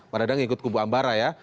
pak dadang ikut kubu ambara ya